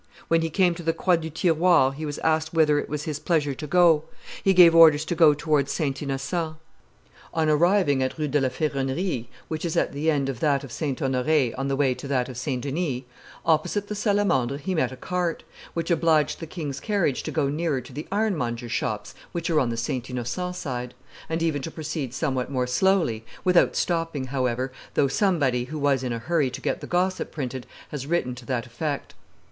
When he came to the Croix du Tiroir he was asked whither it was his pleasure to go; he gave orders to go towards St. Innocent. On arriving at Rue de la Ferronnerie, which is at the end of that of St. Honors on the way to that of St. Denis, opposite the Salamandre he met a cart, which obliged the king's carriage to go nearer to the ironmongers' shops which are on the St. Innocent side, and even to proceed somewhat more slowly, without stopping, however, though somebody, who was in a hurry to get the gossip printed, has written to that effect.